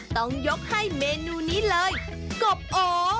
ต้องยกให้เมนูนี้เลยกบโอ